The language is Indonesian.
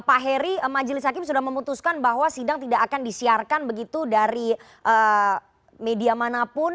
pak heri majelis hakim sudah memutuskan bahwa sidang tidak akan disiarkan begitu dari media manapun